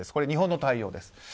日本の対応です。